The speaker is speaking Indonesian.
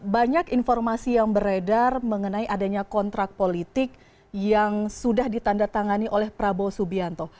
banyak informasi yang beredar mengenai adanya kontrak politik yang sudah ditanda tangani oleh prabowo subianto